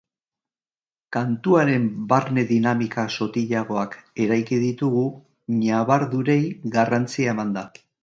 Kantuaren barne-dinamika sotilagoak eraiki ditugu, ñabardurei garrantzia emanda.